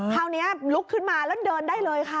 ลุกขึ้นมาแล้วเดินได้เลยค่ะ